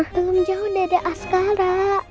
belum jauh udah ada askara